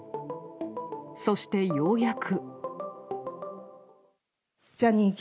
そしてようやく。